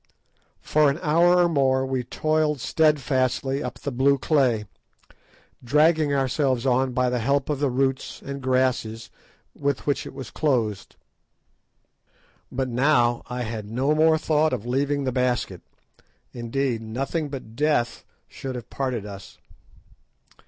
For an hour or more we toiled steadfastly up the blue clay, dragging ourselves on by the help of the roots and grasses with which it was clothed. But now I had no more thought of leaving the basket; indeed, nothing but death should have parted us.